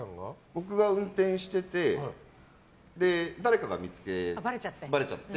僕が運転してて誰かが見つけてばれちゃって